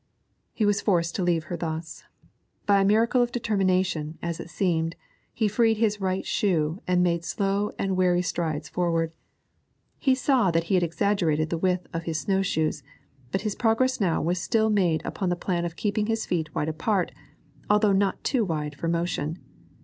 He was forced to leave her thus. By a miracle of determination, as it seemed, he freed his right shoe and made slow and wary strides forward. He saw that he had exaggerated the width of his snow shoes, but his progress now was still made upon the plan of keeping his feet wide apart, although not too wide for motion.